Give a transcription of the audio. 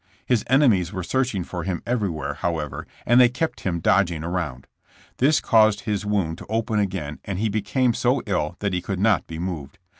His enemies were searching for him every where, however, and they kept him dodging around. This caused his wound to open again and he became so ill that he could not be moved.